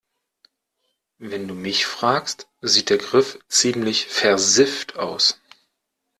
Wenn du mich fragst, sieht der Griff ziemlich versifft aus.